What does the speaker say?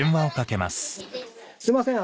すいません